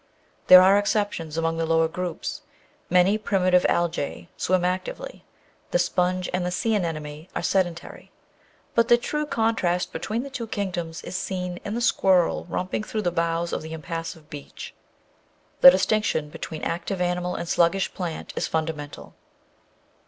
There are exceptions among the lower groups; many primitive algae swim actively, the sponge and the sea anemone are sedentary ; but the true contrast between the two kingdoms is seen in the squirrel romping through the boughs of the impassive beech. The distinction between active animal and sluggish plant is fundamental.